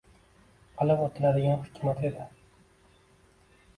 Qilib o’tiladigan hikmat edi.